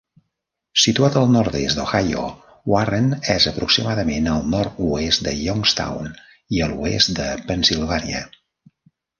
Situat al nord-est d'Ohio, Warren és aproximadament al nord-oest de Youngstown i a l'oest de Pennsilvània.